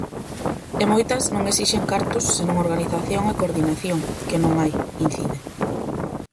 E moitas non esixen cartos senón organización e coordinación, que non hai, incide.